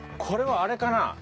これはあれかな？